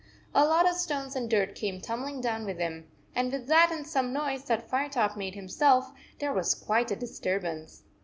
A lot of stones and dirt came tumbling down with him, and, with that and some noise that Firetop made himself, there was quite a disturbance.